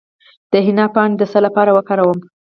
د حنا پاڼې د څه لپاره وکاروم؟